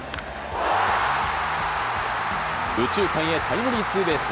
右中間へタイムリーツーベース。